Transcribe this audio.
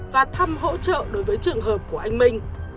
và thăm hỗ trợ đối với trường hợp của anh minh